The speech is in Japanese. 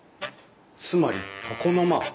つまり床の間！